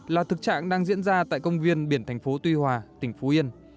là thực trạng đang diễn ra tại công viên biển thành phố tuy hòa tỉnh phú yên